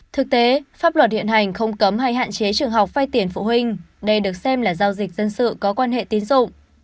thực tế pháp luật hiện hành không cấm hay hạn chế trường học phai tiền phụ huynh đây được xem là giao dịch dân sự có quan hệ tín dụng